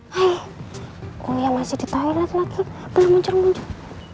hai hai hai kuliah masih di toilet lagi belum muncul muncul